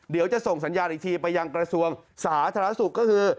เดี๋ยวจะส่งสัญญาณอีกทีไปยังกระทรวงสาธารณสุขก็คือ